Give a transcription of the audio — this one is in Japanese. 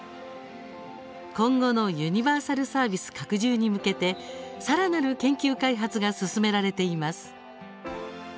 今後のユニバーサルサービス拡充に向けてさらなる研究開発が進められています。